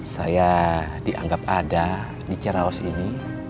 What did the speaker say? saya dianggap ada di ceraos ini